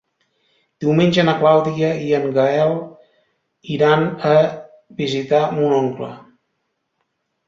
Diumenge na Clàudia i en Gaël iran a visitar mon oncle.